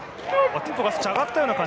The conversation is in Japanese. テンポが少し上がったような感じ。